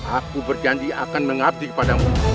aku berjanji akan mengabdi kepadamu